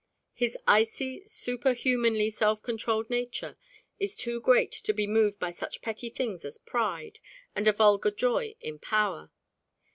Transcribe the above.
His icy superhumanly self controlled nature is too great to be moved by such petty things as pride and a vulgar joy in power.